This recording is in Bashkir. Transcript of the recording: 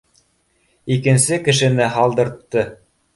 Икенсе кешене һалдыртты